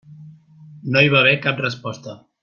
No hi va haver cap resposta.